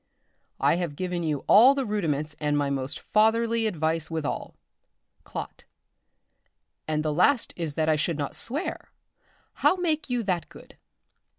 _ I have given you all the rudiments and my most fatherly advice withall. "Clot. And the last is that I should not swear; how make you that good?